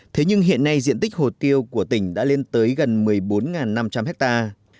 thế nhưng hiện nay diện tích hồ tiêu của tỉnh đã lên tới gần một mươi bốn năm trăm linh hectare